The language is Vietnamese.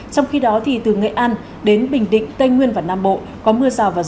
trong khi đó từ nghệ an đến bình định tây nguyên và nam bộ có mưa rào và rông